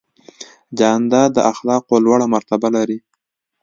جانداد د اخلاقو لوړه مرتبه لري.